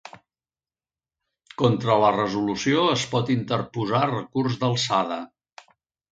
Contra la resolució es pot interposar recurs d'alçada.